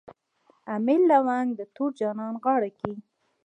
امیل لونګ د تور جانان غاړه کي